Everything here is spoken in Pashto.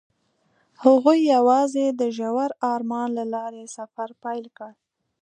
هغوی یوځای د ژور آرمان له لارې سفر پیل کړ.